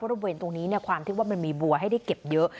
เพราะเราเห็นตรงนี้เนี่ยความที่ว่ามันมีบัวให้ได้เก็บเยอะ